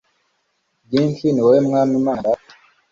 ryinshi, ni wowe mwami mana data